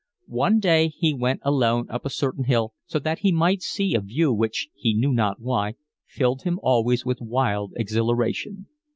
One day he went alone up a certain hill so that he might see a view which, he knew not why, filled him always with wild exhilaration.